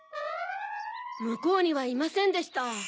むこうにはいませんでした。